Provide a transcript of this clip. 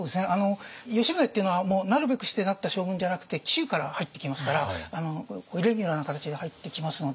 吉宗っていうのはなるべくしてなった将軍じゃなくて紀州から入ってきますからイレギュラーな形で入ってきますのでね。